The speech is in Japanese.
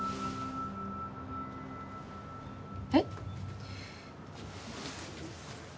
えっ？